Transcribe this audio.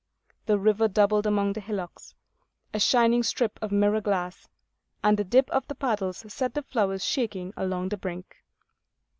The river doubled among the hillocks, a shining strip of mirror glass; and the dip of the paddles set the flowers shaking along the brink.